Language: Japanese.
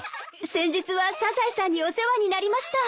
先日はサザエさんにお世話になりました。